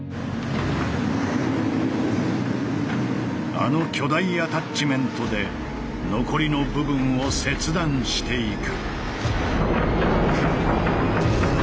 あの巨大アタッチメントで残りの部分を切断していく。